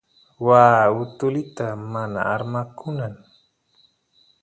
waa utulita mana armakunan